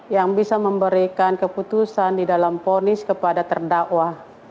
yang bisa memberikan keputusan di dalam ponis kepada terdakwa